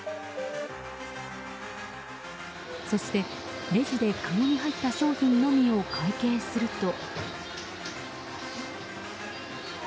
そして、レジでかごに入った商品のみを会計すると。